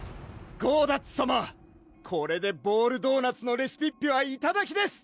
ゴーダッツさまこれでボールドーナツのレシピッピはいただきです！